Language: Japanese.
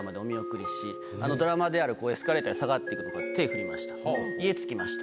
ドラマであるエスカレーターで下がっていく手振りました。